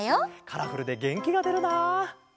カラフルでげんきがでるな！